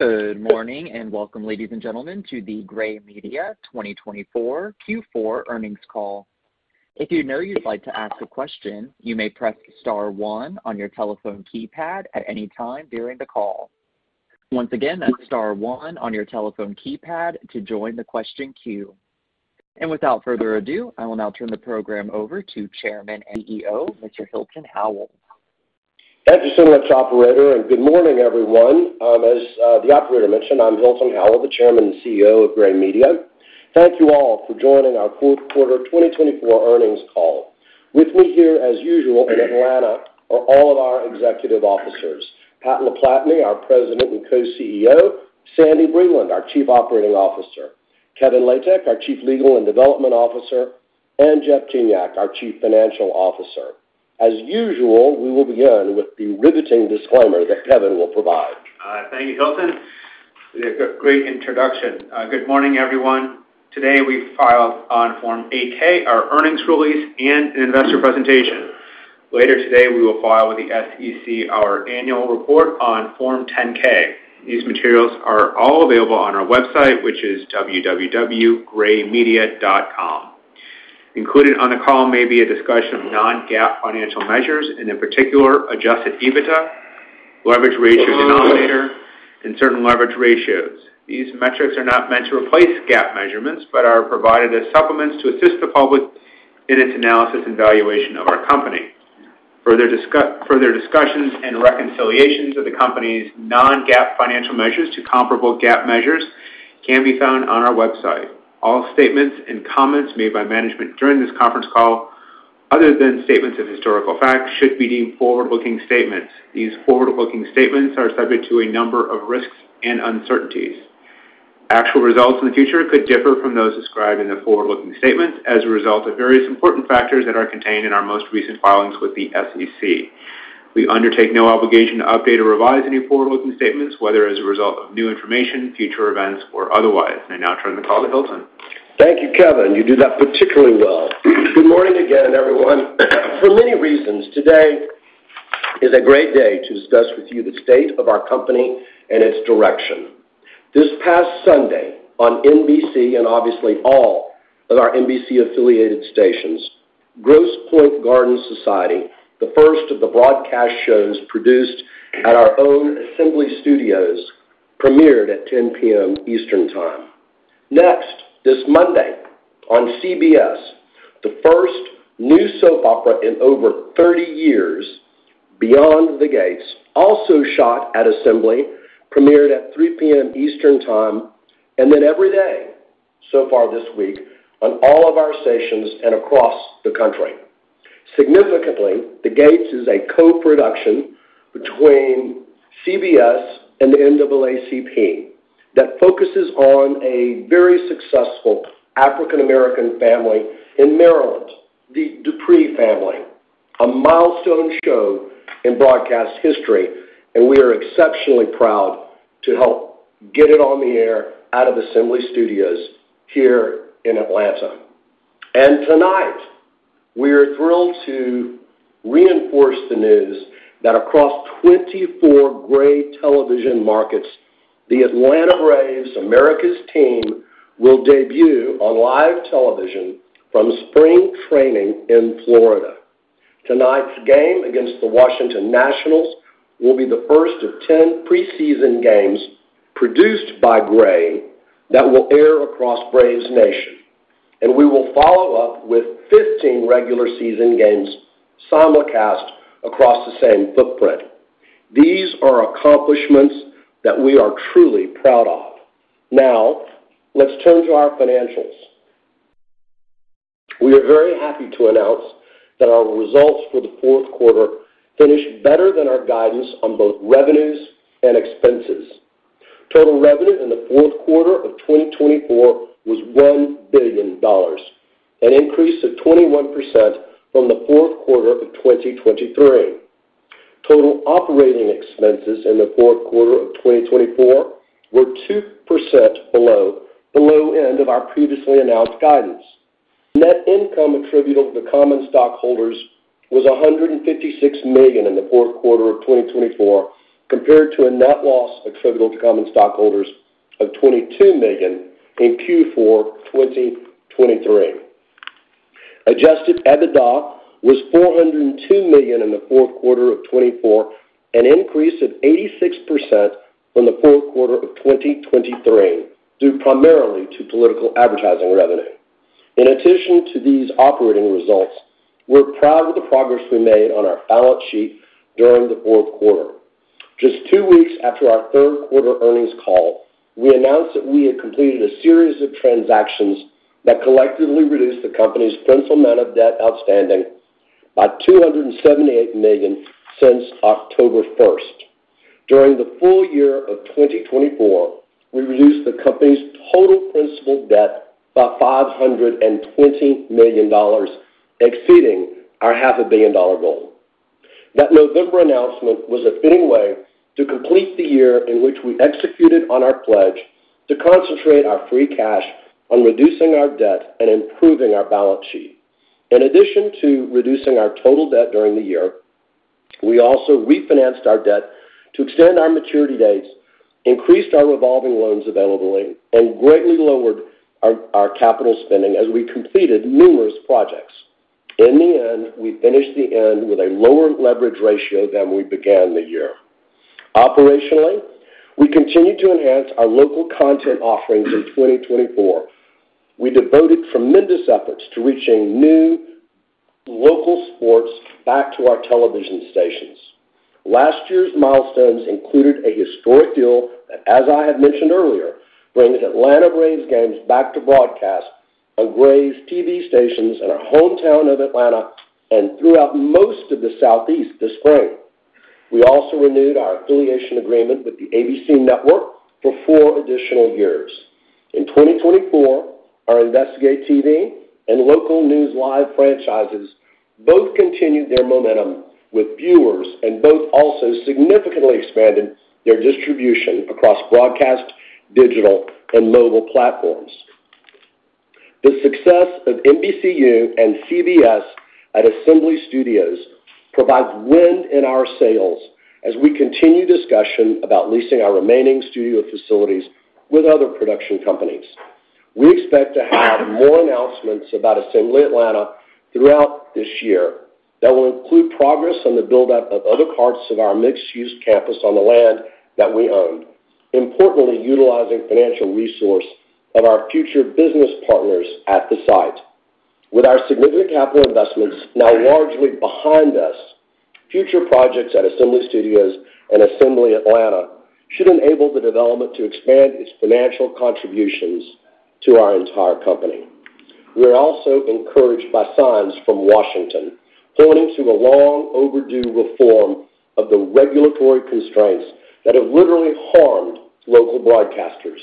Good morning and welcome, ladies and gentlemen, to the Gray Media 2024 Q4 earnings call. If you'd like to ask a question, you may press star one on your telephone keypad at any time during the call. Once again, that's star one on your telephone keypad to join the question queue, and without further ado, I will now turn the program over to Chairman and CEO Mr. Hilton Howell. Thank you so much, Operator, and good morning, everyone. As the Operator mentioned, I'm Hilton Howell, the Chairman and CEO of Gray Media. Thank you all for joining our fourth quarter 2024 earnings call. With me here, as usual, in Atlanta, are all of our executive officers. Pat LaPlatney, our President and Co-CEO, Sandy Breland, our Chief Operating Officer, Kevin Latek, our Chief Legal and Development Officer, and Jeff Gignac, our Chief Financial Officer. As usual, we will begin with the riveting disclaimer that Kevin will provide. Thank you, Hilton. Great introduction. Good morning, everyone. Today we file on Form 8-K our earnings release and an investor presentation. Later today, we will file with the SEC our annual report on Form 10-K. These materials are all available on our website, which is www.graymedia.com. Included on the call may be a discussion of non-GAAP financial measures, and in particular, Adjusted EBITDA, leverage ratio denominator, and certain leverage ratios. These metrics are not meant to replace GAAP measurements but are provided as supplements to assist the public in its analysis and valuation of our company. Further discussions and reconciliations of the company's non-GAAP financial measures to comparable GAAP measures can be found on our website. All statements and comments made by management during this conference call, other than statements of historical fact, should be deemed forward-looking statements. These forward-looking statements are subject to a number of risks and uncertainties. Actual results in the future could differ from those described in the forward-looking statements as a result of various important factors that are contained in our most recent filings with the SEC. We undertake no obligation to update or revise any forward-looking statements, whether as a result of new information, future events, or otherwise. I now turn the call to Hilton. Thank you, Kevin. You do that particularly well. Good morning again, everyone. For many reasons, today is a great day to discuss with you the state of our company and its direction. This past Sunday, on NBC and obviously all of our NBC-affiliated stations, Grosse Pointe Garden Society, the first of the broadcast shows produced at our own Assembly Studios, premiered at 10:00 P.M. Eastern Time. Next, this Monday on CBS, the first new soap opera in over 30 years, Beyond the Gates, also shot at Assembly, premiered at 3:00 P.M. Eastern Time, and then every day so far this week on all of our stations and across the country. Significantly, The Gates is a co-production between CBS and the NAACP that focuses on a very successful African-American family in Maryland, the Dupree family, a milestone show in broadcast history, and we are exceptionally proud to help get it on the air out of Assembly Studios here in Atlanta. And tonight, we are thrilled to reinforce the news that across 24 Gray Television markets, the Atlanta Braves, America's team, will debut on live television from spring training in Florida. Tonight's game against the Washington Nationals will be the first of 10 preseason games produced by Gray that will air across Braves Nation, and we will follow up with 15 regular season games simulcast across the same footprint. These are accomplishments that we are truly proud of. Now, let's turn to our financials. We are very happy to announce that our results for the fourth quarter finished better than our guidance on both revenues and expenses. Total revenue in the fourth quarter of 2024 was $1 billion, an increase of 21% from the fourth quarter of 2023. Total operating expenses in the fourth quarter of 2024 were 2% below the low end of our previously announced guidance. Net income attributable to common stockholders was $156 million in the fourth quarter of 2024, compared to a net loss attributable to common stockholders of $22 million in Q4 2023. Adjusted EBITDA was $402 million in the fourth quarter of 2024, an increase of 86% from the fourth quarter of 2023, due primarily to political advertising revenue. In addition to these operating results, we're proud of the progress we made on our balance sheet during the fourth quarter. Just two weeks after our third quarter earnings call, we announced that we had completed a series of transactions that collectively reduced the company's principal amount of debt outstanding by $278 million since October 1st. During the full year of 2024, we reduced the company's total principal debt by $520 million, exceeding our $500 million goal. That November announcement was a fitting way to complete the year in which we executed on our pledge to concentrate our free cash on reducing our debt and improving our balance sheet. In addition to reducing our total debt during the year, we also refinanced our debt to extend our maturity dates, increased our revolving loans availability, and greatly lowered our capital spending as we completed numerous projects. In the end, we finished the year with a lower leverage ratio than we began the year. Operationally, we continued to enhance our local content offerings in 2024. We devoted tremendous efforts to reaching new local sports back to our television stations. Last year's milestones included a historic deal that, as I had mentioned earlier, brings Atlanta Braves games back to broadcast on Gray's TV stations in our hometown of Atlanta and throughout most of the Southeast this spring. We also renewed our affiliation agreement with the ABC network for four additional years. In 2024, our InvestigateTV and Local News Live franchises both continued their momentum with viewers, and both also significantly expanded their distribution across broadcast, digital, and mobile platforms. The success of NBCU and CBS at Assembly Studios provides wind in our sails as we continue discussion about leasing our remaining studio facilities with other production companies. We expect to have more announcements about Assembly Atlanta throughout this year that will include progress on the build-up of other parts of our mixed-use campus on the land that we own, importantly utilizing financial resources of our future business partners at the site. With our significant capital investments now largely behind us, future projects at Assembly Studios and Assembly Atlanta should enable the development to expand its financial contributions to our entire company. We are also encouraged by signs from Washington pointing to a long-overdue reform of the regulatory constraints that have literally harmed local broadcasters.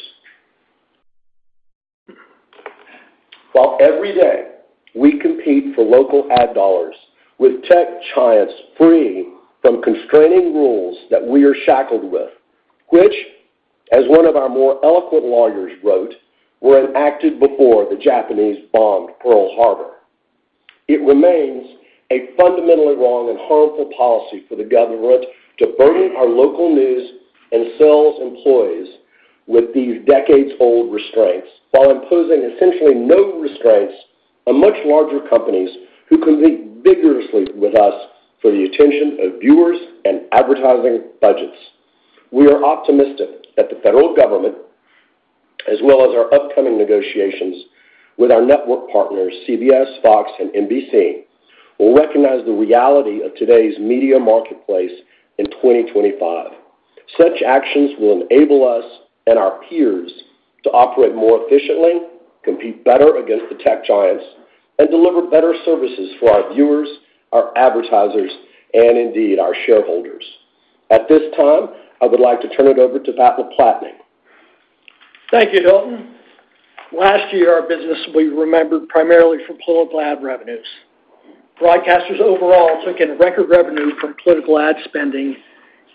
While every day we compete for local ad dollars with tech giants free from constraining rules that we are shackled with, which, as one of our more eloquent lawyers wrote, were enacted before the Japanese bombed Pearl Harbor, it remains a fundamentally wrong and harmful policy for the government to burden our local news and sales employees with these decades-old restraints while imposing essentially no restraints on much larger companies who compete vigorously with us for the attention of viewers and advertising budgets. We are optimistic that the federal government, as well as our upcoming negotiations with our network partners, CBS, Fox, and NBC, will recognize the reality of today's media marketplace in 2025. Such actions will enable us and our peers to operate more efficiently, compete better against the tech giants, and deliver better services for our viewers, our advertisers, and indeed our shareholders. At this time, I would like to turn it over to Pat LaPlatney. Thank you, Hilton. Last year, our business will be remembered primarily for political ad revenues. Broadcasters overall took in record revenue from political ad spending,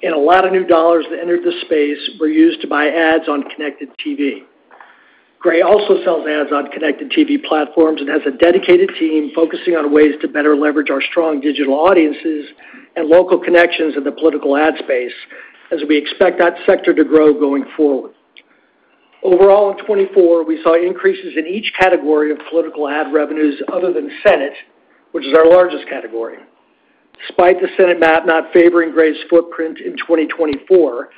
and a lot of new dollars that entered the space were used to buy ads on connected TV. Gray also sells ads on Connected TV platforms and has a dedicated team focusing on ways to better leverage our strong digital audiences and local connections in the political ad space as we expect that sector to grow going forward. Overall, in 2024, we saw increases in each category of political ad revenues other than Senate, which is our largest category. Despite the Senate map not favoring Gray's footprint in 2024,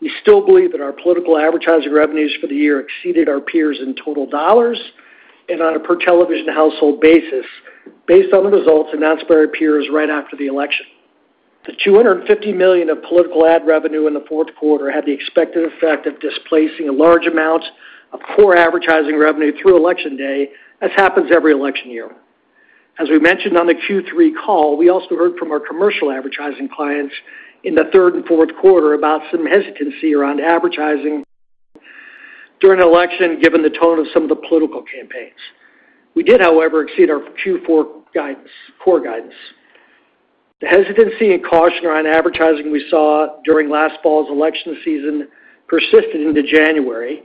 we still believe that our political advertising revenues for the year exceeded our peers in total dollars and on a per-television-household basis based on the results announced by our peers right after the election. The $250 million of political ad revenue in the fourth quarter had the expected effect of displacing a large amount of core advertising revenue through election day, as happens every election year. As we mentioned on the Q3 call, we also heard from our commercial advertising clients in the third and fourth quarter about some hesitancy around advertising during election given the tone of some of the political campaigns. We did, however, exceed our Q4 core guidance. The hesitancy and caution around advertising we saw during last fall's election season persisted into January,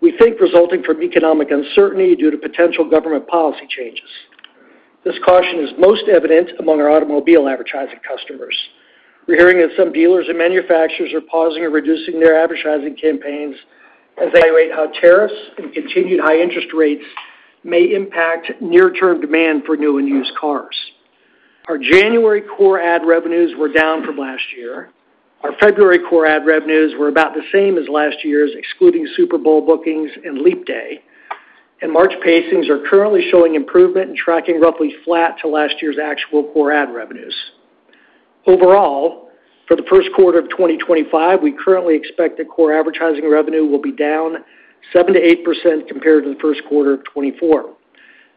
we think resulting from economic uncertainty due to potential government policy changes. This caution is most evident among our automobile advertising customers. We're hearing that some dealers and manufacturers are pausing or reducing their advertising campaigns as they evaluate how tariffs and continued high interest rates may impact near-term demand for new and used cars. Our January core ad revenues were down from last year. Our February core ad revenues were about the same as last year's, excluding Super Bowl bookings and leap day, and March pacings are currently showing improvement and tracking roughly flat to last year's actual core ad revenues. Overall, for the first quarter of 2025, we currently expect that core advertising revenue will be down 7%-8% compared to the first quarter of 2024.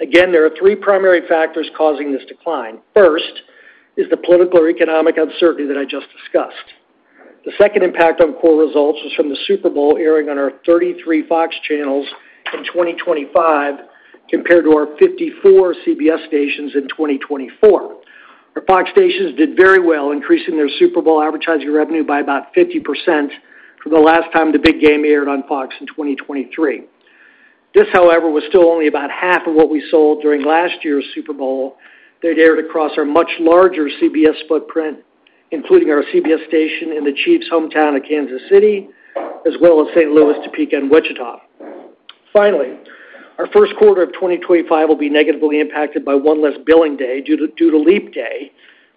Again, there are three primary factors causing this decline. First is the political or economic uncertainty that I just discussed. The second impact on core results was from the Super Bowl airing on our 33 Fox channels in 2025 compared to our 54 CBS stations in 2024. Our Fox stations did very well, increasing their Super Bowl advertising revenue by about 50% from the last time the big game aired on Fox in 2023. This, however, was still only about half of what we sold during last year's Super Bowl that aired across our much larger CBS footprint, including our CBS station in the Chiefs' hometown of Kansas City, as well as St. Louis, Topeka, and Wichita. Finally, our first quarter of 2025 will be negatively impacted by one less billing day due to leap day,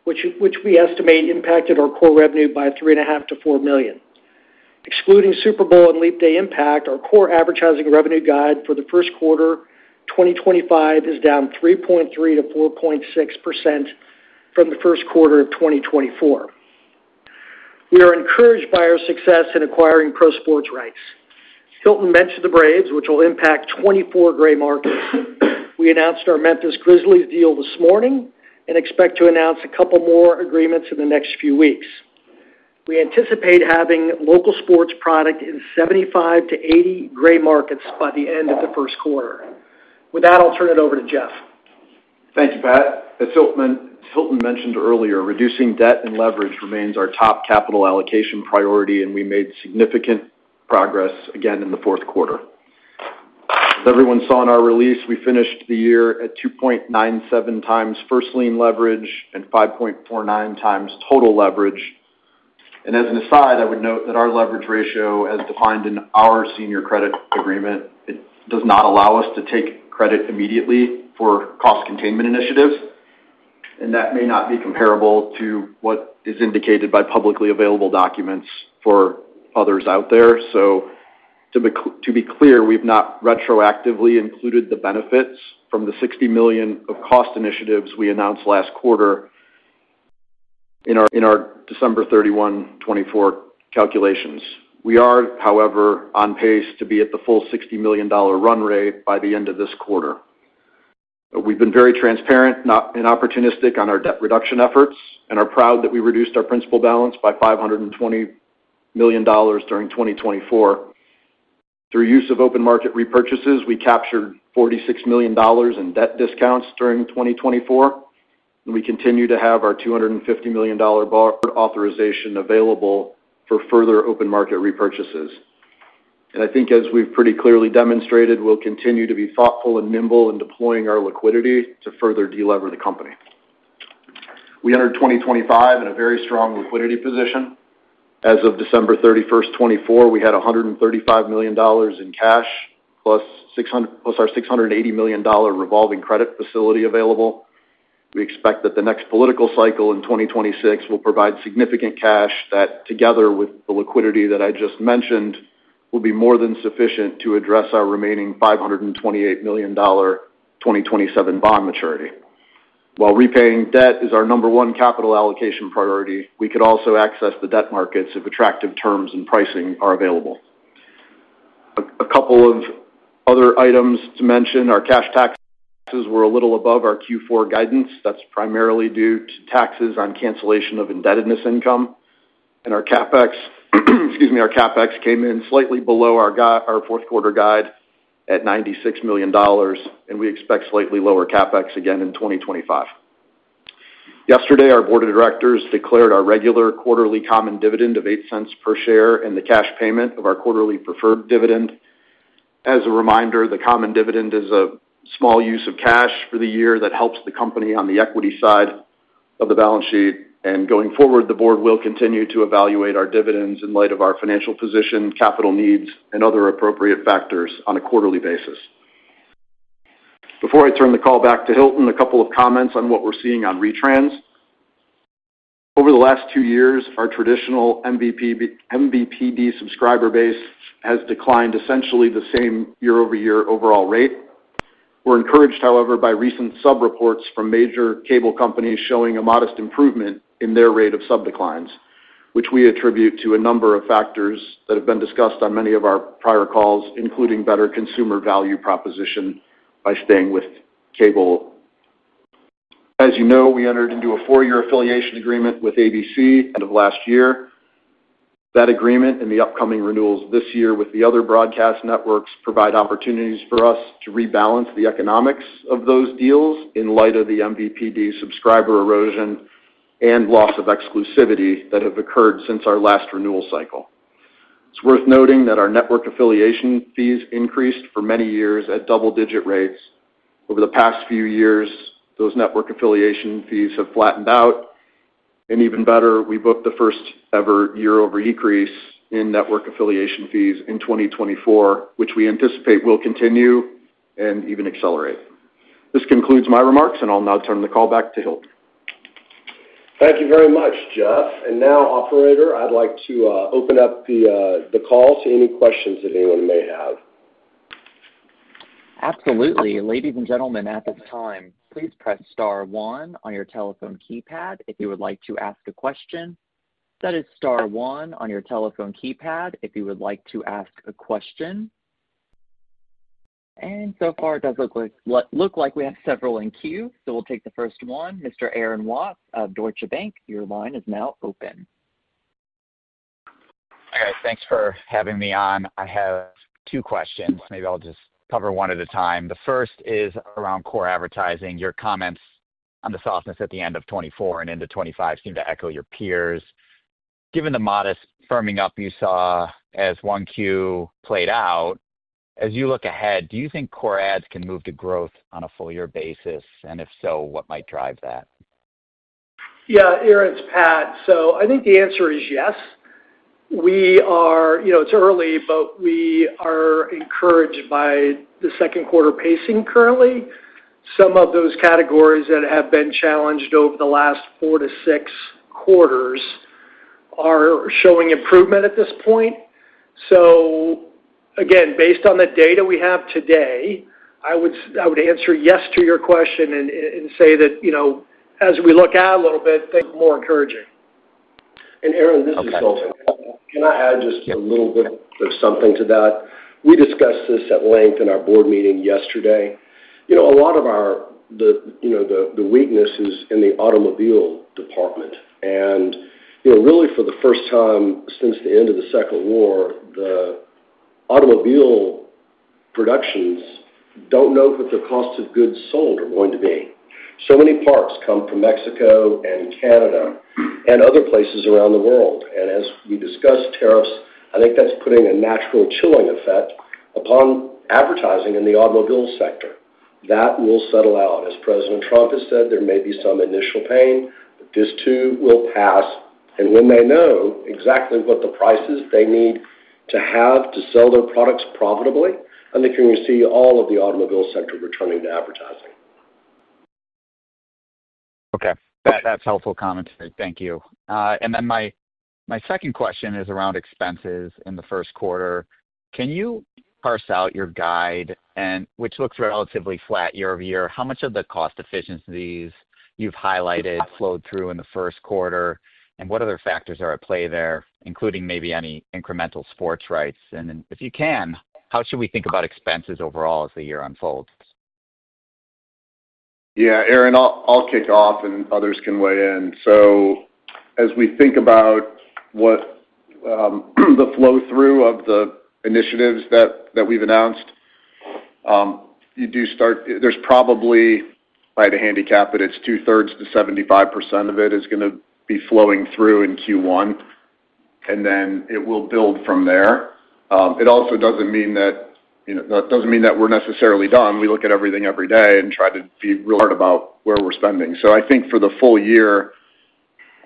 which we estimate impacted our core revenue by $3.5 million-$4 million. Excluding Super Bowl and leap day impact, our core advertising revenue guide for the first quarter of 2025 is down 3.3%-4.6% from the first quarter of 2024. We are encouraged by our success in acquiring pro sports rights. Hilton mentioned the Braves, which will impact 24 Gray markets. We announced our Memphis Grizzlies deal this morning and expect to announce a couple more agreements in the next few weeks. We anticipate having local sports product in 75-80 Gray markets by the end of the first quarter. With that, I'll turn it over to Jeff. Thank you, Pat. As Hilton mentioned earlier, reducing debt and leverage remains our top capital allocation priority, and we made significant progress again in the fourth quarter. As everyone saw in our release, we finished the year at 2.97 times first lien leverage and 5.49 times total leverage. And as an aside, I would note that our leverage ratio, as defined in our senior credit agreement, does not allow us to take credit immediately for cost containment initiatives, and that may not be comparable to what is indicated by publicly available documents for others out there. So to be clear, we've not retroactively included the benefits from the $60 million of cost initiatives we announced last quarter in our December 31, 2024 calculations. We are, however, on pace to be at the full $60 million run rate by the end of this quarter. We've been very transparent and opportunistic on our debt reduction efforts and are proud that we reduced our principal balance by $520 million during 2024. Through use of open market repurchases, we captured $46 million in debt discounts during 2024, and we continue to have our $250 million authorization available for further open market repurchases. I think, as we've pretty clearly demonstrated, we'll continue to be thoughtful and nimble in deploying our liquidity to further delever the company. We entered 2025 in a very strong liquidity position. As of December 31st, 2024, we had $135 million in cash plus our $680 million revolving credit facility available. We expect that the next political cycle in 2026 will provide significant cash that, together with the liquidity that I just mentioned, will be more than sufficient to address our remaining $528 million 2027 bond maturity. While repaying debt is our number one capital allocation priority, we could also access the debt markets if attractive terms and pricing are available. A couple of other items to mention: our cash taxes were a little above our Q4 guidance. That's primarily due to taxes on cancellation of indebtedness income, and our CapEx, excuse me, our CapEx came in slightly below our fourth quarter guide at $96 million, and we expect slightly lower CapEx again in 2025. Yesterday, our Board of Directors declared our regular quarterly common dividend of $0.08 per share and the cash payment of our quarterly preferred dividend. As a reminder, the common dividend is a small use of cash for the year that helps the company on the equity side of the balance sheet. Going forward, the Board will continue to evaluate our dividends in light of our financial position, capital needs, and other appropriate factors on a quarterly basis. Before I turn the call back to Hilton, a couple of comments on what we're seeing on retrans. Over the last two years, our traditional MVPD subscriber base has declined essentially the same year-over-year overall rate. We're encouraged, however, by recent sub-reports from major cable companies showing a modest improvement in their rate of sub-declines, which we attribute to a number of factors that have been discussed on many of our prior calls, including better consumer value proposition by staying with cable. As you know, we entered into a four-year affiliation agreement with ABC at the end of last year. That agreement and the upcoming renewals this year with the other broadcast networks provide opportunities for us to rebalance the economics of those deals in light of the MVPD subscriber erosion and loss of exclusivity that have occurred since our last renewal cycle. It's worth noting that our network affiliation fees increased for many years at double-digit rates. Over the past few years, those network affiliation fees have flattened out, and even better, we booked the first-ever year-over-year increase in network affiliation fees in 2024, which we anticipate will continue and even accelerate. This concludes my remarks, and I'll now turn the call back to Hilton. Thank you very much, Jeff. And now, operator, I'd like to open up the call to any questions that anyone may have. Absolutely. Ladies and gentlemen, at this time, please press star one on your telephone keypad if you would like to ask a question. That is star one on your telephone keypad if you would like to ask a question. And so far, it does look like we have several in queue, so we'll take the first one. Mr. Aaron Watts of Deutsche Bank, your line is now open. Okay. Thanks for having me on. I have two questions. Maybe I'll just cover one at a time. The first is around core advertising. Your comments on the softness at the end of 2024 and into 2025 seem to echo your peers. Given the modest firming up you saw as 1Q played out, as you look ahead, do you think core ads can move to growth on a full-year basis? And if so, what might drive that? Yeah. Aaron, It's Pat. So I think the answer is yes. It's early, but we are encouraged by the second quarter pacing currently. Some of those categories that have been challenged over the last four to six quarters are showing improvement at this point. So again, based on the data we have today, I would answer yes to your question and say that as we look at it a little bit more encouraging. Aaron, this is Hilton. Can I add just a little bit of something to that? We discussed this at length in our Board meeting yesterday. A lot of the weaknesses in the automobile department. Really, for the first time since the end of World War II, the automobile producers don't know what the cost of goods sold are going to be. So many parts come from Mexico and Canada and other places around the world. As we discussed tariffs, I think that's putting a natural chilling effect upon advertising in the automobile sector. That will settle out. As President Trump has said, there may be some initial pain, but this too will pass. When they know exactly what the prices they need to have to sell their products profitably, I think you're going to see all of the automobile sector returning to advertising. Okay. That's helpful commentary. Thank you. And then my second question is around expenses in the first quarter. Can you parse out your guide, which looks relatively flat year over year? How much of the cost efficiencies you've highlighted flowed through in the first quarter? And what other factors are at play there, including maybe any incremental sports rights? And if you can, how should we think about expenses overall as the year unfolds? Yeah. Aaron, I'll kick off, and others can weigh in. As we think about the flow through of the initiatives that we've announced, you do start, there's probably, by the handicap, but it's two-thirds to 75% of it is going to be flowing through in Q1, and then it will build from there. It also doesn't mean that, that doesn't mean that we're necessarily done. We look at everything every day and try to be really hard about where we're spending. I think for the full year,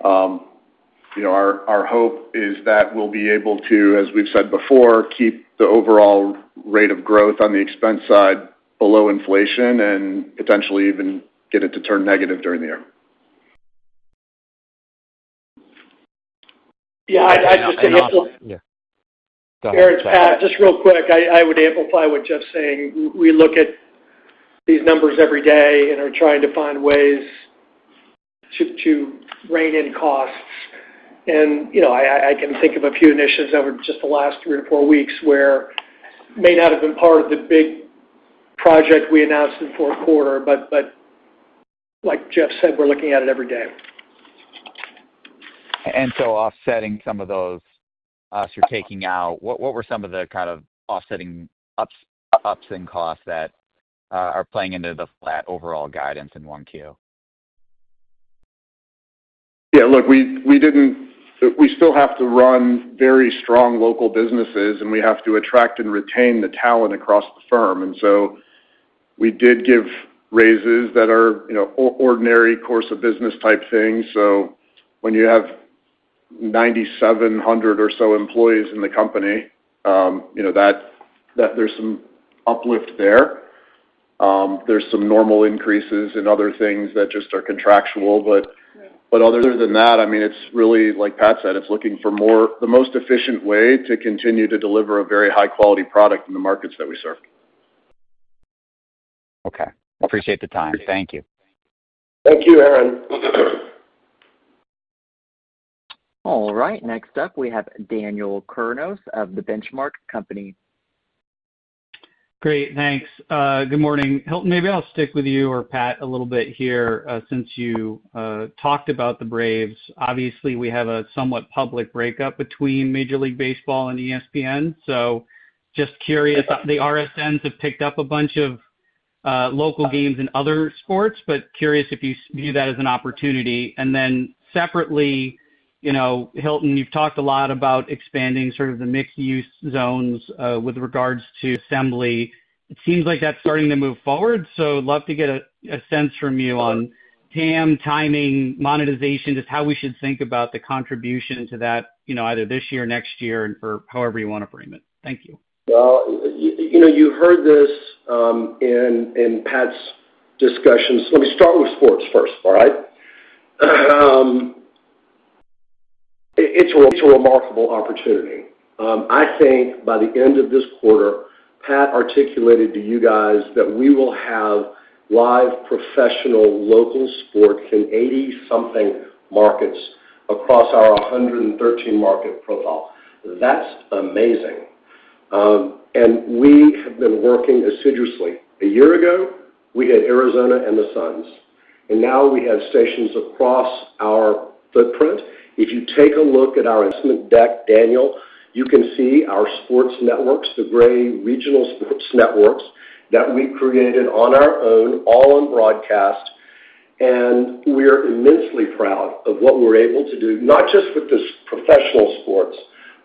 our hope is that we'll be able to, as we've said before, keep the overall rate of growth on the expense side below inflation and potentially even get it to turn negative during the year. Yeah. I just, Aaron, It's Pat, just real quick, I would amplify what Jeff's saying. We look at these numbers every day and are trying to find ways to rein in costs. And I can think of a few initiatives over just the last three or four weeks where it may not have been part of the big project we announced in the fourth quarter, but like Jeff said, we're looking at it every day. Offsetting some of those costs you're taking out, what were some of the kind of offsetting upsides and costs that are playing into the flat overall guidance in Q1? Yeah. Look, we still have to run very strong local businesses, and we have to attract and retain the talent across the firm. We did give raises that are ordinary course of business type things. When you have 9,700 or so employees in the company, there's some uplift there. There's some normal increases in other things that just are contractual. But other than that, I mean, it's really, like Pat said, it's looking for the most efficient way to continue to deliver a very high-quality product in the markets that we serve. Okay. Appreciate the time. Thank you. Thank you, Aaron. All right. Next up, we have Daniel Kurnos of The Benchmark Company. Great. Thanks. Good morning. Hilton, maybe I'll stick with you or Pat a little bit here since you talked about the Braves. Obviously, we have a somewhat public breakup between Major League Baseball and ESPN. So just curious, the RSNs have picked up a bunch of local games and other sports, but curious if you view that as an opportunity. And then separately, Hilton, you've talked a lot about expanding sort of the mixed-use zones with regards to Assembly. It seems like that's starting to move forward. I'd love to get a sense from you on TAM, timing, monetization, just how we should think about the contribution to that either this year, next year, and for however you want to frame it. Thank you. You've heard this in Pat's discussions. Let me start with sports first, all right? It's a remarkable opportunity. I think by the end of this quarter, Pat articulated to you guys that we will have live professional local sports in 80-something markets across our 113-market profile. That's amazing. We have been working assiduously. A year ago, we had Arizona and the Suns. Now we have stations across our footprint. If you take a look at our investment deck, Daniel, you can see our sports networks, the Gray regional sports networks that we created on our own, all on broadcast. We are immensely proud of what we're able to do, not just with the professional sports,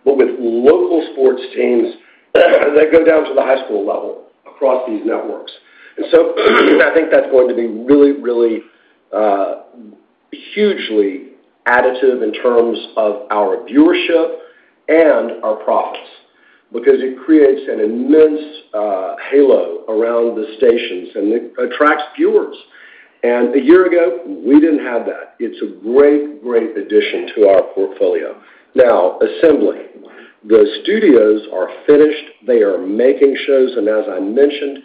but with local sports teams that go down to the high school level across these networks. And so I think that's going to be really, really hugely additive in terms of our viewership and our profits because it creates an immense halo around the stations and attracts viewers. And a year ago, we didn't have that. It's a great, great addition to our portfolio. Now, Assembly, the studios are finished. They are making shows. And as I mentioned,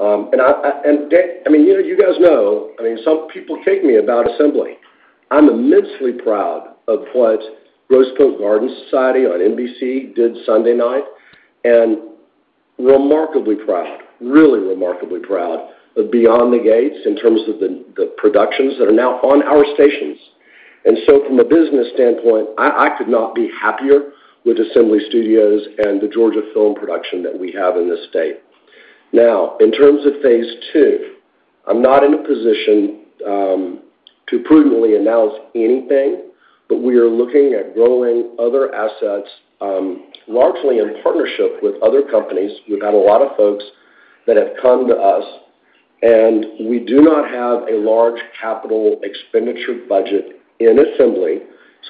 and I mean, you guys know, I mean, some people kick me about Assembly. I'm immensely proud of what Grosse Pointe Garden Society on NBC did Sunday night and remarkably proud, really remarkably proud of Beyond the Gates in terms of the productions that are now on our stations. And so from a business standpoint, I could not be happier with Assembly Studios and the Georgia film production that we have in this state. Now, in terms of phase II, I'm not in a position to prudently announce anything, but we are looking at growing other assets largely in partnership with other companies. We've had a lot of folks that have come to us, and we do not have a large capital expenditure budget in Assembly.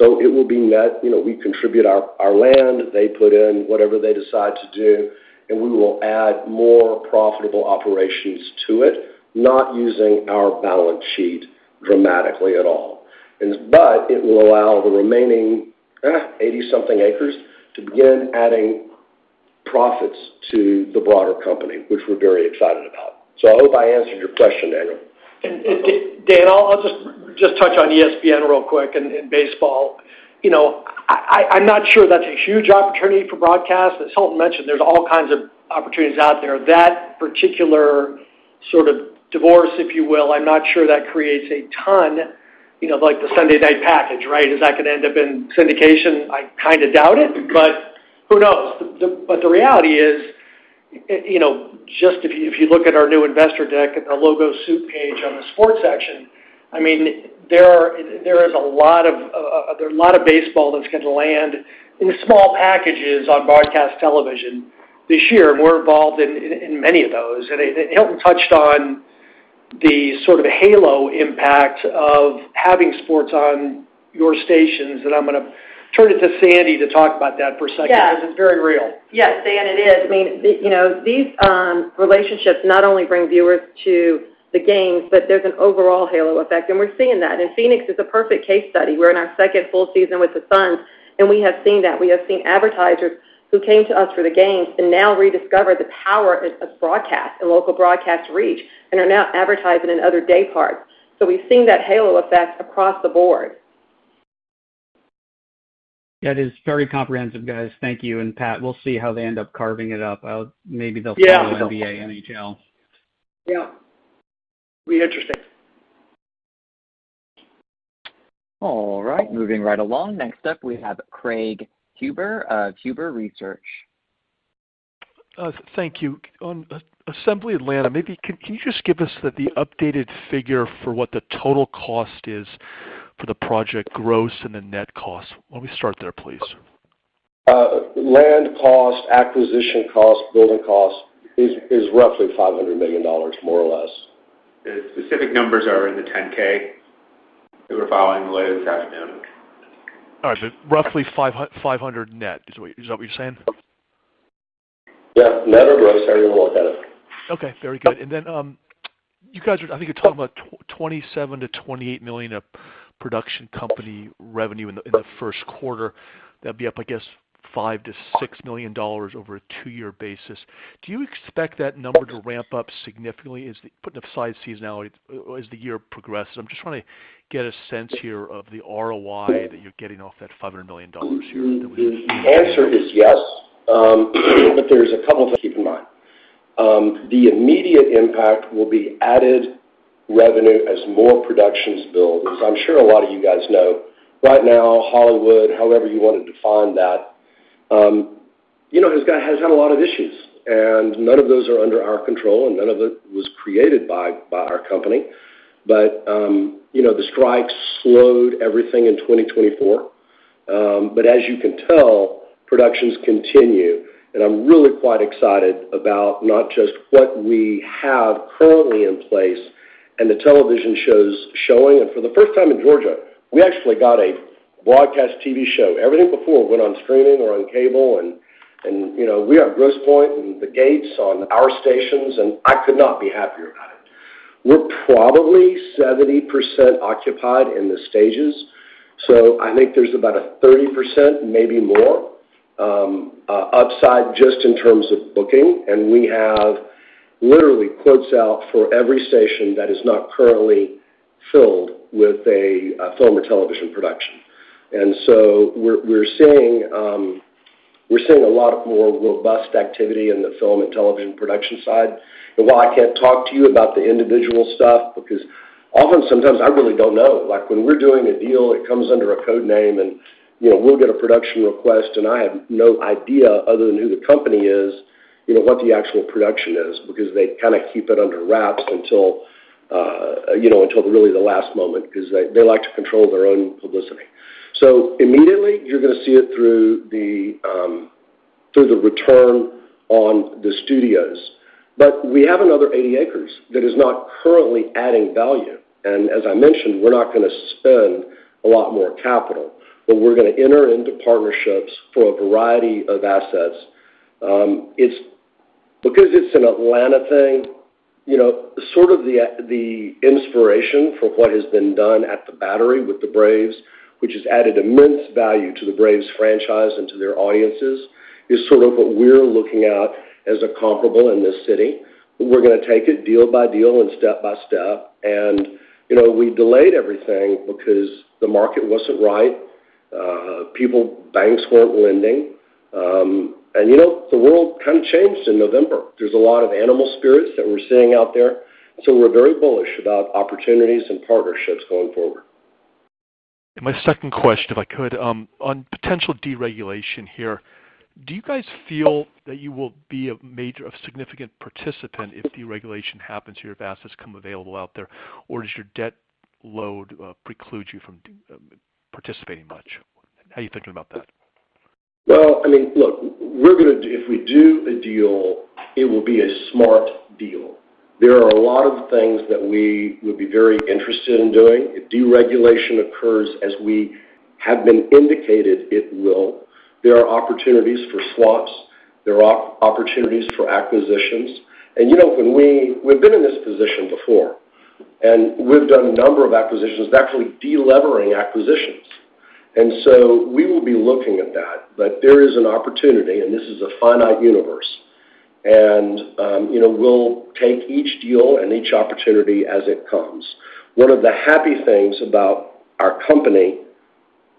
It will be met. We contribute our land. They put in whatever they decide to do, and we will add more profitable operations to it, not using our balance sheet dramatically at all. But it will allow the remaining 80-something acres to begin adding profits to the broader company, which we're very excited about. I hope I answered your question, Daniel. Dan, I'll just touch on ESPN real quick and baseball. I'm not sure that's a huge opportunity for broadcast. As Hilton mentioned, there's all kinds of opportunities out there. That particular sort of divorce, if you will, I'm not sure that creates a ton like the Sunday night package, right? Is that going to end up in syndication? I kind of doubt it, but who knows? But the reality is, just if you look at our new investor deck and the logos suite page on the sports section, I mean, there are a lot of baseball that's going to land in small packages on broadcast television this year, and we're involved in many of those. Hilton touched on the sort of halo impact of having sports on your stations, and I'm going to turn it to Sandy to talk about that for a second because it's very real. Yeah. Dan, it is. I mean, these relationships not only bring viewers to the games, but there's an overall halo effect. And we're seeing that. And Phoenix is a perfect case study. We're in our second full season with the Suns, and we have seen that. We have seen advertisers who came to us for the games and now rediscover the power of broadcast and local broadcast reach and are now advertising in other day parts. We've seen that halo effect across the Board. That is very comprehensive, guys. Thank you. And Pat, we'll see how they end up carving it up. Maybe they'll stay with NBA, NHL. Yeah. Be interesting. All right. Moving right along. Next up, we have Craig Huber of Huber Research Partners. Thank you. Assembly Atlanta, maybe can you just give us the updated figure for what the total cost is for the project gross and the net cost? Why don't we start there, please? Land cost, acquisition cost, building cost is roughly $500 million, more or less. The specific numbers are in the 10-K that we're following later this afternoon. All right. Roughly 500 net, is that what you're saying? Yep. Net or gross, however you want to look at it. Okay. Very good. And then you guys, I think you're talking about $27 million-$28 million of production company revenue in the first quarter. That'd be up, I guess, $5 million-$6 million over a two-year basis. Do you expect that number to ramp up significantly? Putting aside seasonality as the year progresses. I'm just trying to get a sense here of the ROI that you're getting off that $500 million here that we just. The answer is yes, but there's a couple of things to keep in mind. The immediate impact will be added revenue as more productions build. As I'm sure a lot of you guys know, right now, Hollywood, however you want to define that, has had a lot of issues, and none of those are under our control, and none of it was created by our company, but the strikes slowed everything in 2024, but as you can tell, productions continue, and I'm really quite excited about not just what we have currently in place and the television shows showing, and for the first time in Georgia, we actually got a broadcast TV show. Everything before went on streaming or on cable, and we are Grosse Pointe and The Gates on our stations, and I could not be happier about it. We're probably 70% occupied in the stages. So, I think there's about a 30%, maybe more, upside just in terms of booking. And we have literally quoted out for every station that is not currently filled with a film or television production. We're seeing a lot more robust activity in the film and television production side. And while I can't talk to you about the individual stuff because often, sometimes, I really don't know. When we're doing a deal, it comes under a code name, and we'll get a production request, and I have no idea other than who the company is, what the actual production is because they kind of keep it under wraps until really the last moment because they like to control their own publicity. So immediately, you're going to see it through the return on the studios. But we have another 80 acres that is not currently adding value. As I mentioned, we're not going to spend a lot more capital, but we're going to enter into partnerships for a variety of assets. Because it's an Atlanta thing, sort of the inspiration for what has been done at The Battery with the Braves, which has added immense value to the Braves franchise and to their audiences, is sort of what we're looking at as a comparable in this city. We're going to take it deal by deal and step by step. We delayed everything because the market wasn't right. People, banks weren't lending. The world kind of changed in November. There's a lot of animal spirits that we're seeing out there. We're very bullish about opportunities and partnerships going forward. My second question, if I could, on potential deregulation here. Do you guys feel that you will be a major significant participant if deregulation happens or your assets come available out there, or does your debt load preclude you from participating much? How are you thinking about that? I mean, look, if we do a deal, it will be a smart deal. There are a lot of things that we would be very interested in doing. If deregulation occurs, as we have been indicated, it will. There are opportunities for swaps. There are opportunities for acquisitions. And we've been in this position before, and we've done a number of acquisitions, actually delevering acquisitions. And so we will be looking at that. But there is an opportunity, and this is a finite universe. And we'll take each deal and each opportunity as it comes. One of the happy things about our company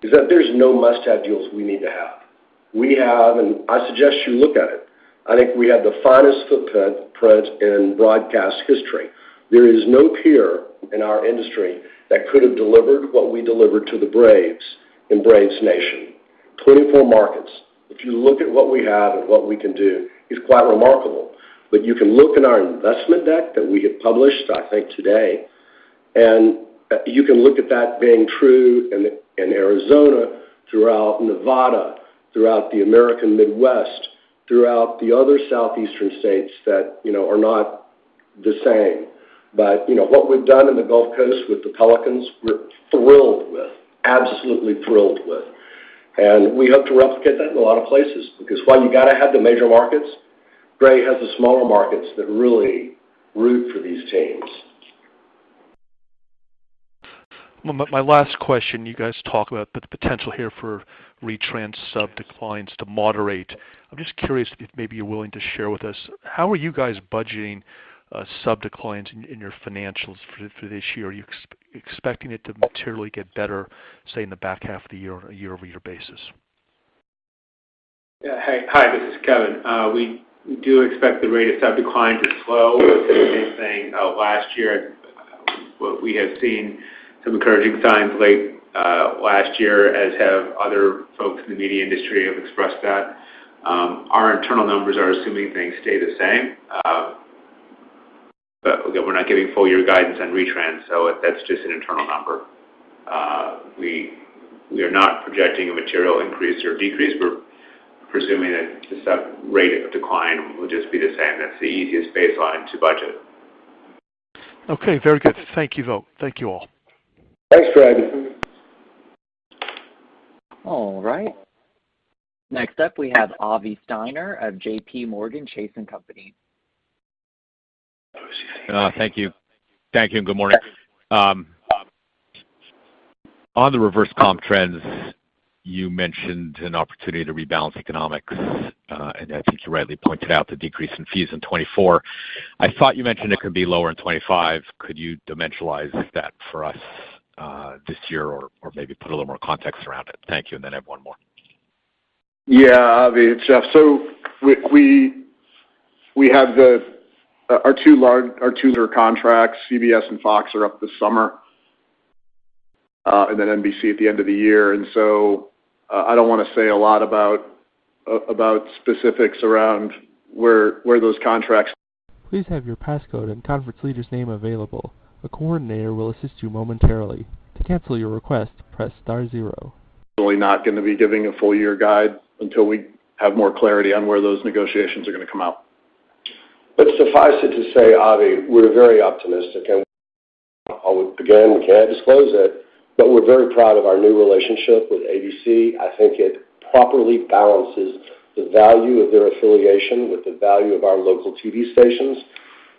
is that there's no must-have deals we need to have. And I suggest you look at it. I think we have the finest footprint in broadcast history. There is no peer in our industry that could have delivered what we delivered to the Braves in Braves Nation. 24 markets. If you look at what we have and what we can do, it's quite remarkable. But you can look in our investment deck that we have published, I think, today, and you can look at that being true in Arizona, throughout Nevada, throughout the American Midwest, throughout the other southeastern states that are not the same. But what we've done in the Gulf Coast with the Pelicans, we're thrilled with, absolutely thrilled with. And we hope to replicate that in a lot of places because while you got to have the major markets, Gray has the smaller markets that really root for these teams. My last question. You guys talk about the potential here for retrans sub declines to moderate. I'm just curious if maybe you're willing to share with us. How are you guys budgeting sub declines in your financials for this year? Are you expecting it to materially get better, say, in the back half of the year on a year-over-year basis? Yeah. Hi, this is Kevin. We do expect the rate of sub decline to slow. We're seeing the same thing last year. We have seen some encouraging signs late last year, as have other folks in the media industry have expressed that. Our internal numbers are assuming things stay the same. But we're not giving full-year guidance on retrans, so that's just an internal number. We are not projecting a material increase or decrease. We're presuming that the sub rate of decline will just be the same. That's the easiest baseline to budget. Okay. Very good. Thank you though. Thank you all. Thanks, Craig. All right. Next up, we have Avi Steiner of JPMorgan Chase & Co. Thank you. Thank you. And good morning. On the reverse comp trends, you mentioned an opportunity to rebalance economics. And I think you rightly pointed out the decrease in fees in 2024. I thought you mentioned it could be lower in 2025. Could you dimensionalize that for us this year or maybe put a little more context around it? Thank you. And then I have one more. Yeah. Avi, Jeff, so we have our two larger contracts, CBS and Fox, are up this summer and then NBC at the end of the year. And so I don't want to say a lot about specifics around where those contracts. Please have your passcode and conference leader's name available. A coordinator will assist you momentarily. To cancel your request, press star zero. We're not going to be giving a full-year guide until we have more clarity on where those negotiations are going to come out. Suffice it to say, Avi, we're very optimistic. And again, we can't disclose it, but we're very proud of our new relationship with ABC. I think it properly balances the value of their affiliation with the value of our local TV stations.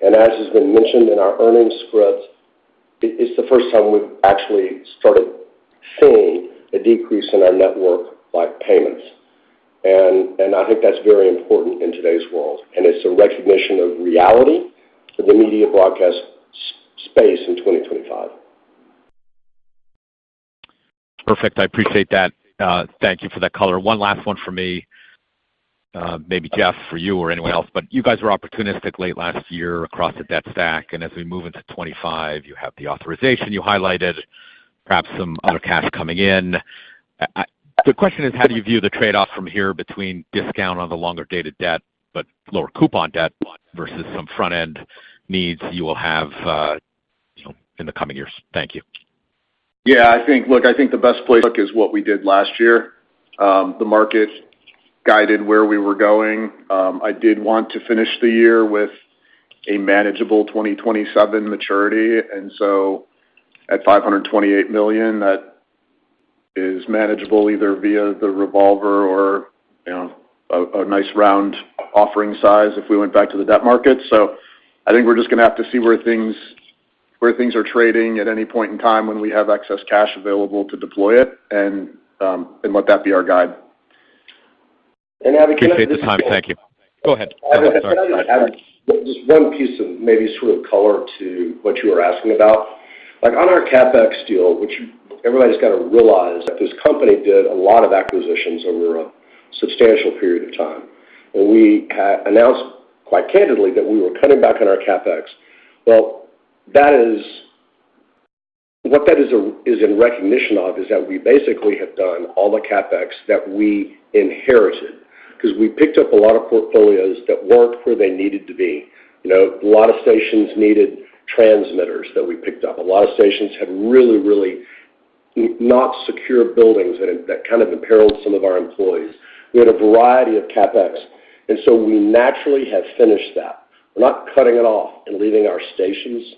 And as has been mentioned in our earnings script, it's the first time we've actually started seeing a decrease in our network rights payments. And I think that's very important in today's world. And it's a recognition of reality for the media broadcast space in 2025. Perfect. I appreciate that. Thank you for that color. One last one for me, maybe Jeff, for you or anyone else. But you guys were opportunistic late last year across the debt stack. And as we move into 2025, you have the authorization you highlighted, perhaps some other cash coming in. The question is, how do you view the trade-off from here between discount on the longer dated debt, but lower coupon debt versus some front-end needs you will have in the coming years? Thank you. Yeah. Look, I think the best place is what we did last year. The market guided where we were going. I did want to finish the year with a manageable 2027 maturity. And so at $528 million, that is manageable either via the revolver or a nice round offering size if we went back to the debt market. I think we're just going to have to see where things are trading at any point in time when we have excess cash available to deploy it and let that be our guide. Avi, can I just. Appreciate the time. Thank you. Go ahead. Just one piece of maybe sort of color to what you were asking about. On our CapEx deal, which everybody's got to realize, that this company did a lot of acquisitions over a substantial period of time. And we announced quite candidly that we were cutting back on our CapEx. Well, what that is in recognition of is that we basically have done all the CapEx that we inherited because we picked up a lot of portfolios that weren't where they needed to be. A lot of stations needed transmitters that we picked up. A lot of stations had really, really not secure buildings that kind of imperiled some of our employees. We had a variety of CapEx. We naturally have finished that. We're not cutting it off and leaving our stations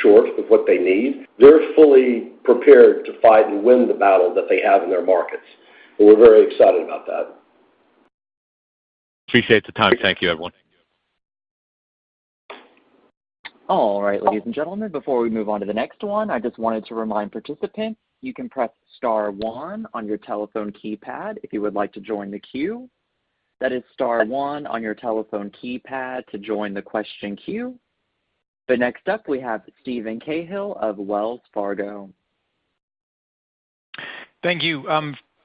short of what they need. They're fully prepared to fight and win the battle that they have in their markets, and we're very excited about that. Appreciate the time. Thank you, everyone. All right, ladies and gentlemen, before we move on to the next one, I just wanted to remind participants, you can press star one on your telephone keypad if you would like to join the queue. That is star one on your telephone keypad to join the question queue. But next up, we have Steven Cahall of Wells Fargo. Thank you.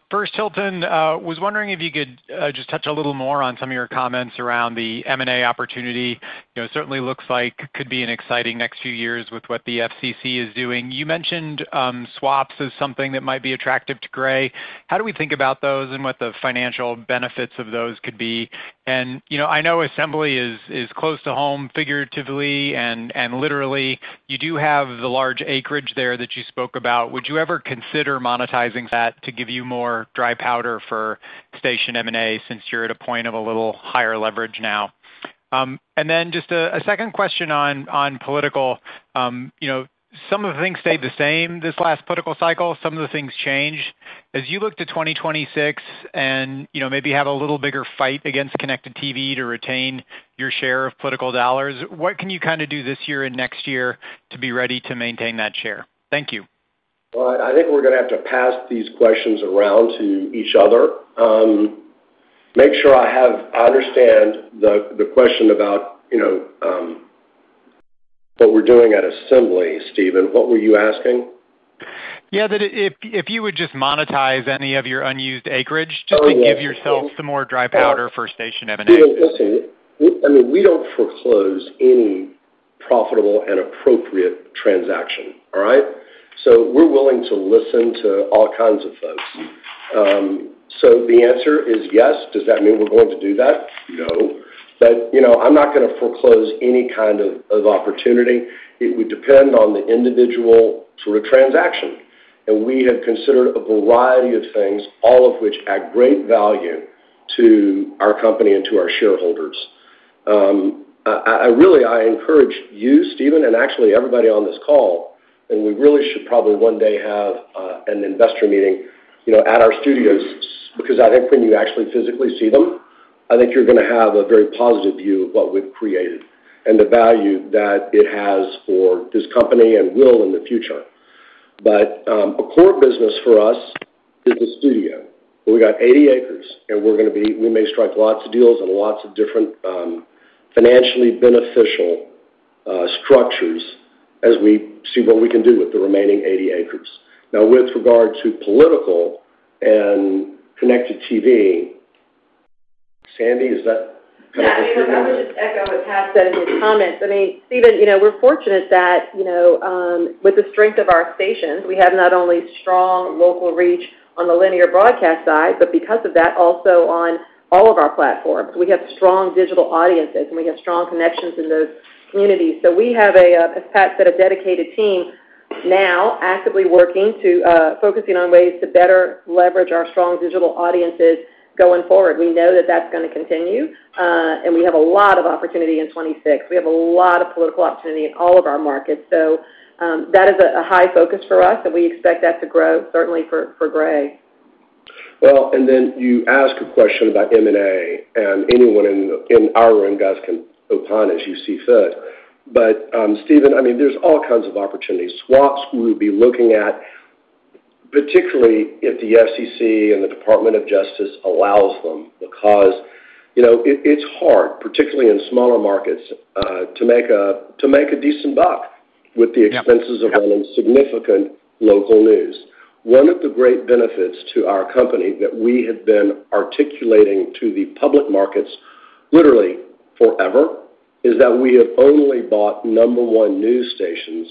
First, Hilton, was wondering if you could just touch a little more on some of your comments around the M&A opportunity. Certainly looks like it could be an exciting next few years with what the FCC is doing. You mentioned swaps as something that might be attractive to Gray. How do we think about those and what the financial benefits of those could be? And I know Assembly is close to home, figuratively and literally. You do have the large acreage there that you spoke about. Would you ever consider monetizing that to give you more dry powder for station M&A since you're at a point of a little higher leverage now? And then just a second question on political. Some of the things stayed the same this last political cycle. Some of the things changed. As you look to 2026 and maybe have a little bigger fight against Connected TV to retain your share of political dollars, what can you kind of do this year and next year to be ready to maintain that share? Thank you. I think we're going to have to pass these questions around to each other. Make sure I understand the question about what we're doing at Assembly, Steven. What were you asking? Yeah. If you would just monetize any of your unused acreage just to give yourself some more dry powder for station M&A. I mean, we don't foreclose any profitable and appropriate transaction, all right? So we're willing to listen to all kinds of folks. So the answer is yes. Does that mean we're going to do that? No. But I'm not going to foreclose any kind of opportunity. It would depend on the individual sort of transaction. And we have considered a variety of things, all of which add great value to our company and to our shareholders. Really, I encourage you, Steven, and actually everybody on this call. And we really should probably one day have an investor meeting at our studios because I think when you actually physically see them, I think you're going to have a very positive view of what we've created and the value that it has for this company and will in the future. But a core business for us is the studio. We got 80 acres, and we may strike lots of deals on lots of different financially beneficial structures as we see what we can do with the remaining 80 acres. Now, with regard to political and Connected TV, Sandy, is that? Yeah. I would just echo what Pat said in his comments. I mean, Steven, we're fortunate that with the strength of our stations, we have not only strong local reach on the linear broadcast side, but because of that, also on all of our platforms. We have strong digital audiences, and we have strong connections in those communities. We have, as Pat said, a dedicated team now actively working to focus on ways to better leverage our strong digital audiences going forward. We know that that's going to continue, and we have a lot of opportunity in 2026. We have a lot of political opportunity in all of our markets. So that is a high focus for us, and we expect that to grow, certainly for Gray. And then you ask a question about M&A, and anyone in our room, guys, can opine as you see fit. But Steven, I mean, there's all kinds of opportunities. Swaps we would be looking at, particularly if the FCC and the Department of Justice allow them, because it's hard, particularly in smaller markets, to make a decent buck with the expenses of running significant local news. One of the great benefits to our company that we have been articulating to the public markets literally forever is that we have only bought number one news stations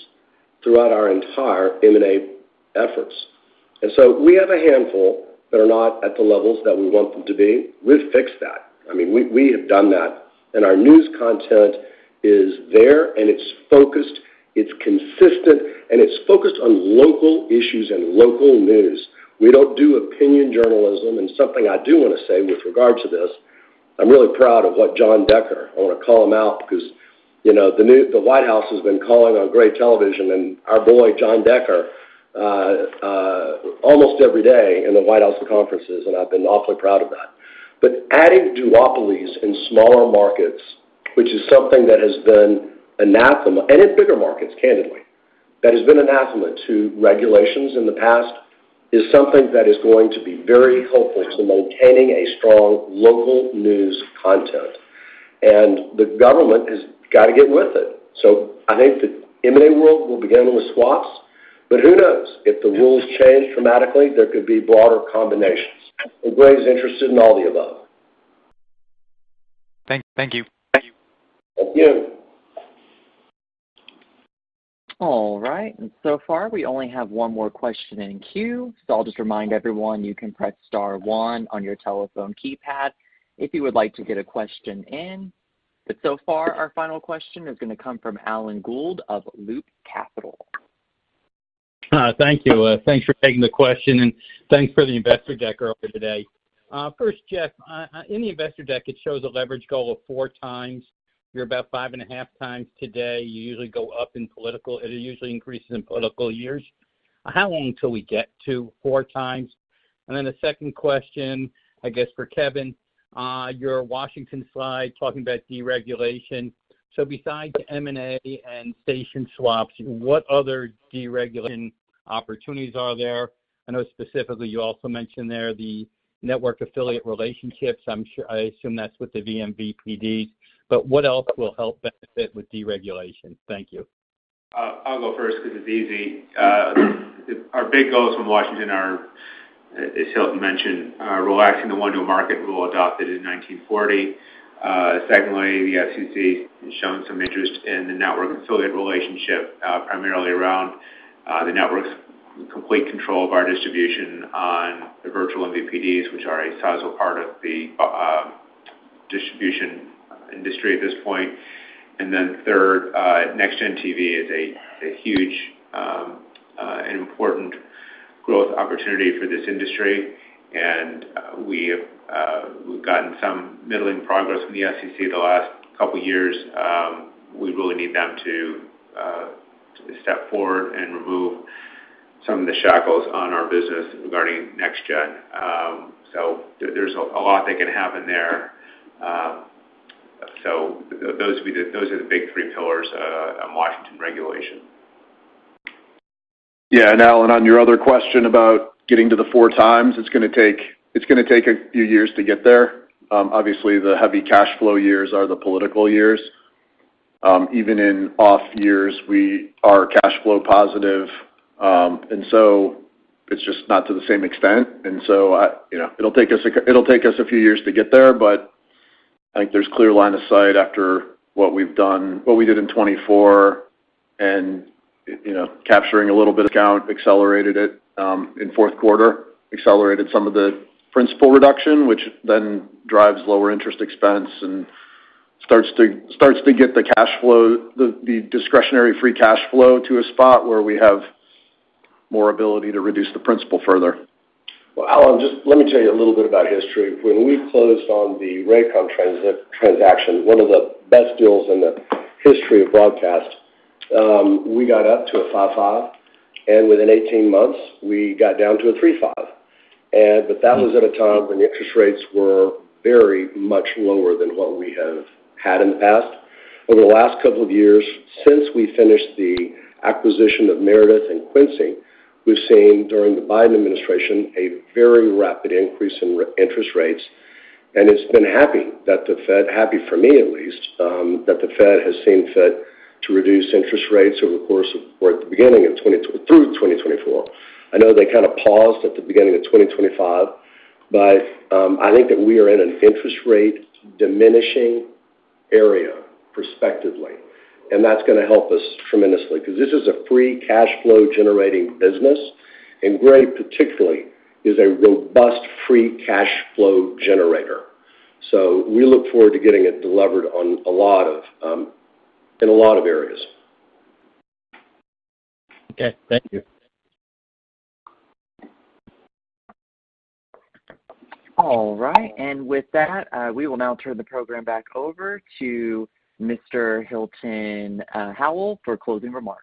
throughout our entire M&A efforts. And so we have a handful that are not at the levels that we want them to be. We've fixed that. I mean, we have done that. And our news content is there, and it's focused. It's consistent, and it's focused on local issues and local news. We don't do opinion journalism. And something I do want to say with regard to this, I'm really proud of what John Decker. I want to call him out because the White House has been calling on Gray Television and our boy, John Decker, almost every day in the White House conferences, and I've been awfully proud of that. But adding duopolies in smaller markets, which is something that has been anathema and in bigger markets, candidly, that has been anathema to regulations in the past, is something that is going to be very helpful to maintaining a strong local news content. And the government has got to get with it. So I think the M&A world will begin with swaps, but who knows? If the rules change dramatically, there could be broader combinations. And Gray is interested in all the above. Thank you. Thank you. Thank you. All right. And so far, we only have one more question in queue. I'll just remind everyone, you can press star one on your telephone keypad if you would like to get a question in. But so far, our final question is going to come from Alan Gould of Loop Capital. Thank you. Thanks for taking the question, and thanks for the investor deck earlier today. First, Jeff, in the investor deck, it shows a leverage goal of four times. You're about five and a half times today. You usually go up in political. It usually increases in political years. How long till we get to four times? And then a second question, I guess, for Kevin, your Washington slide talking about deregulation. Besides M&A and station swaps, what other deregulation opportunities are there? I know specifically you also mentioned there the network affiliate relationships. I assume that's with the vMVPDs. But what else will help benefit with deregulation? Thank you. I'll go first because it's easy. Our big goals from Washington are, as Hilton mentioned, relaxing the one-to-one market rule adopted in 1940. Secondly, the FCC is showing some interest in the network affiliate relationship, primarily around the network's complete control of our distribution on the virtual MVPDs, which are a sizable part of the distribution industry at this point. Then third, NextGen TV is a huge and important growth opportunity for this industry. We've gotten some middling progress from the FCC the last couple of years. We really need them to step forward and remove some of the shackles on our business regarding NextGen. There's a lot that can happen there, those are the big three pillars on Washington regulation. Yeah. And Alan, on your other question about getting to the four times, it's going to take a few years to get there. Obviously, the heavy cash flow years are the political years. Even in off years, we are cash flow positive. And so it's just not to the same extent. And so it'll take us a few years to get there, but I think there's clear line of sight after what we did in 2024 and capturing a little bit accelerated it in fourth quarter, accelerated some of the principal reduction, which then drives lower interest expense and starts to get the discretionary free cash flow to a spot where we have more ability to reduce the principal further. Alan, just let me tell you a little bit about history. When we closed on the Raycom transaction, one of the best deals in the history of broadcast, we got up to a 5.5, and within 18 months, we got down to a 3.5, but that was at a time when interest rates were very much lower than what we have had in the past. Over the last couple of years, since we finished the acquisition of Meredith and Quincy, we've seen during the Biden administration a very rapid increase in interest rates, and I'm happy that the Fed, for me at least, has seen fit to reduce interest rates over the course of 2024. I know they kind of paused at the beginning of 2025, but I think that we are in an interest rate diminishing area prospectively. And that's going to help us tremendously because this is a free cash flow generating business, and Gray particularly is a robust free cash flow generator. We look forward to getting it delivered in a lot of areas. Okay. Thank you. All right. And with that, we will now turn the program back over to Mr. Hilton Howell for closing remarks.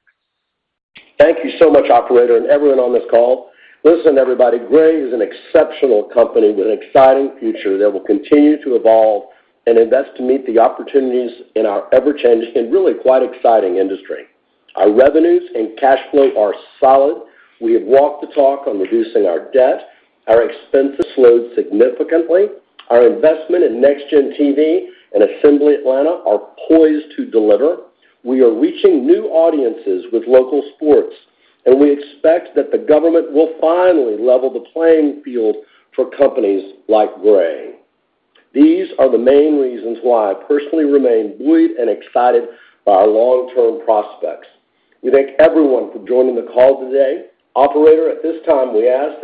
Thank you so much, operator, and everyone on this call. Listen everybody, Gray is an exceptional company with an exciting future that will continue to evolve and invest to meet the opportunities in our ever-changing and really quite exciting industry. Our revenues and cash flow are solid. We have walked the talk on reducing our debt. Our expenses have slowed significantly. Our investment in NextGen TV and Assembly Atlanta are poised to deliver. We are reaching new audiences with local sports, and we expect that the government will finally level the playing field for companies like Gray. These are the main reasons why I personally remain buoyed and excited by our long-term prospects. We thank everyone for joining the call today. Operator, at this time, we ask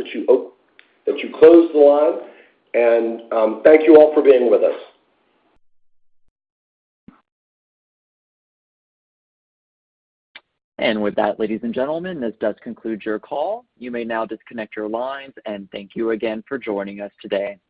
that you close the line and thank you all for being with us. And with that, ladies and gentlemen, this does conclude your call. You may now disconnect your lines and thank you again for joining us today.